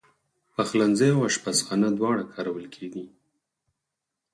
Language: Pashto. پخلنځی او آشپزخانه دواړه کارول کېږي.